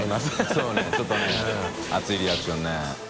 修Δちょっとね熱いリアクションね。